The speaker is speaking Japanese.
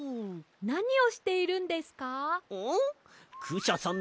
なにをしているんですか？